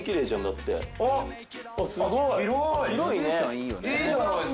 いいじゃないっすか。